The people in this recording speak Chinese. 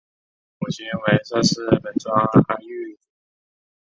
母亲为侧室本庄阿玉之方。